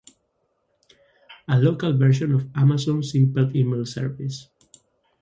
A local version of Amazon Simple Email Service